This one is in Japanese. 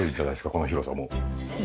この広さもう。